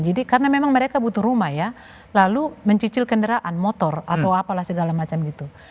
jadi karena memang mereka butuh rumah ya lalu mencicil kendaraan motor atau apalah segala macam gitu